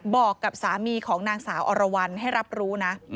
บอกกับสามีของนางสาวอรวรรณให้รับรู้นะ